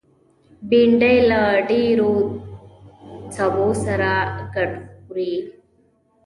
بېنډۍ له ډېرو سبو سره ګډ خوري